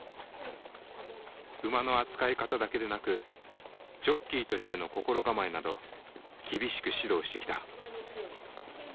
馬の扱い方だけでなくジョッキーとしての心構えなど厳しく指導してきた。